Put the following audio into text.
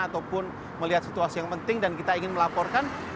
ataupun melihat situasi yang penting dan kita ingin melaporkan